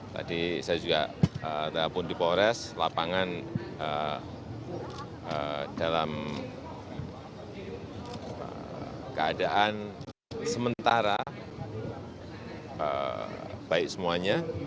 tadi saya juga telepon di polres lapangan dalam keadaan sementara baik semuanya